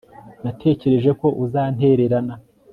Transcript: Natekereje ko uzantererana